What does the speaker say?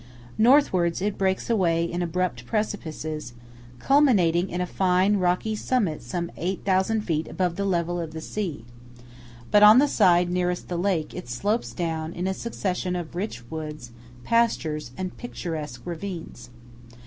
Northwards it breaks away in abrupt precipices, culminating in a fine rocky summit some 8,000 feet above the level of the sea; but on the side nearest the lake it slopes down in a succession of rich woods, pastures, and picturesque ravines.